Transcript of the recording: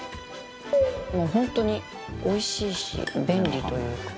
もう本当においしいし便利というか。